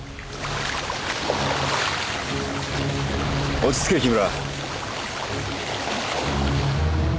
落ち着け木村。